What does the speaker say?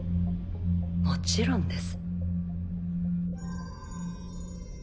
もちろんです。